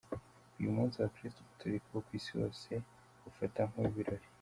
Uyu munsi abakristu gatolika bo ku isi hose bawufata nk’uw’ibirori.